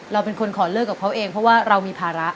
เราเป็นคนขอเลิกกับเขาเองเพราะว่าเรามีภาระ